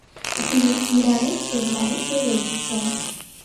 তিনি ইরানের তেহরানে বেড়ে উঠেছেন।